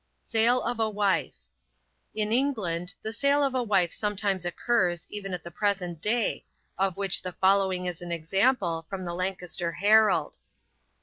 SALE OF A WIFE. In England, the sale of a wife sometimes occurs, even at the present day, of which the following is an example, from the Lancaster Herald.